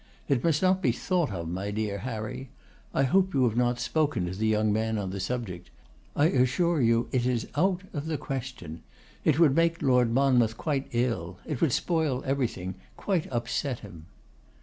It must not be thought of, my dear Harry. I hope you have not spoken to the young man on the subject. I assure you it is out of the question. It would make Lord Monmouth quite ill. It would spoil everything, quite upset him.